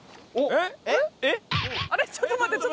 あれっちょっと待って。